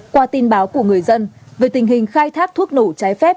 qua tin báo của người dân về tình hình khai thác thuốc nổ trái phép